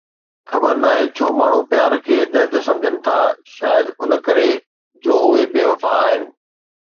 خبر ناهي ڇو ماڻهو پيار کي درد سمجهن ٿا، شايد ان ڪري جو اهي بي وفا آهن